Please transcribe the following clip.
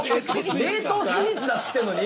冷凍スイーツだっつってのに？